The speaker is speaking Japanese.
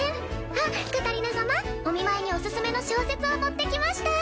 あっカタリナ様お見舞いにおすすめの小説を持ってきました。